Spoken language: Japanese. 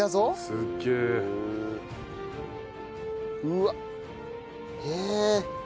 うわっへえ！